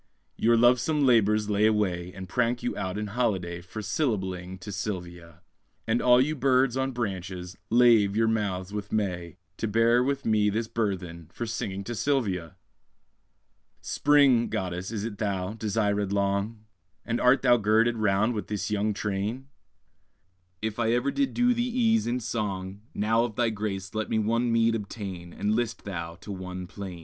Your lovesome labours lay away, And prank you out in holiday, For syllabling to Sylvia; And all you birds on branches, lave your mouths with May, To bear with me this burthen For singing to Sylvia!_ Spring, goddess, is it thou, desirèd long? And art thou girded round with this young train? If ever I did do thee ease in song, Now of thy grace let me one meed obtain, And list thou to one plain.